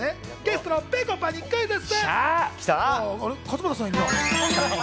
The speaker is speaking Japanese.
ゲストのぺこぱにクイズッス！